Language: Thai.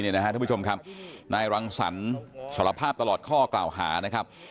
นายรังสรรสารภาพตลอดข้อกล่าวหา